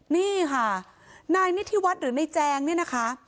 นี่ค่ะนายนิธิวัฒน์หรือนายแจงเนี่ยนะคะ